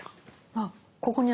あっここにあるわ。